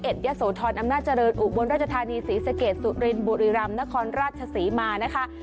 เอ็ดยสูทรนอำนาจริงอุบวนราชธานีศรีเสกตสุรินตร์บุรีรามนครราชศรีมานะคะ